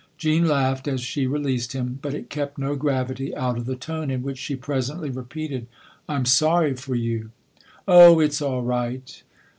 Jean laughed as she released him ; but it kept no gravity out of the tone in which she presently repeated :" I'm sorry for you." " Oh, it's all right